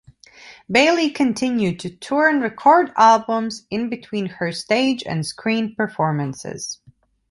Bailey continued to tour and record albums in between her stage and screen performances.